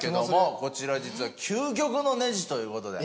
こちら実は究極のネジという事で。